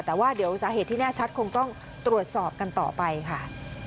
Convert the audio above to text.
แต่ว่าเดี๋ยวสาเหตุที่แน่ชัดคงต้องตรวจสอบกันต่อไปค่ะ